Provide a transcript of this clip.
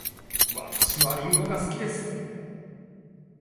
私はりんごが好きです。